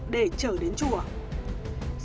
để trở đến chùa này